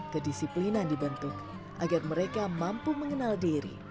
kedisiplinan dibentuk agar mereka mampu mengenal diri